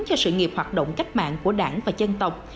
cho sự nghiệp hoạt động cách mạng của đảng và dân tộc